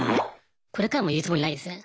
これからも言うつもりないですね。